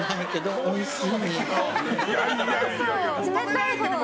おいしい！